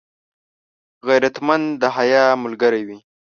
غیرتمند د حیا ملګری وي